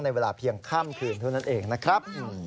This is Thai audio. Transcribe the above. ในเวลาเพียงข้ามคืนเท่านั้นเองนะครับ